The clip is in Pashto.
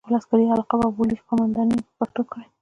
ټول عسکري القاب او بولۍ قوماندې یې په پښتو کړې.